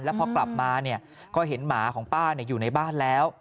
พอกลับมาก็เห็นหมาของป้าอยู่ในบ้านแล้ว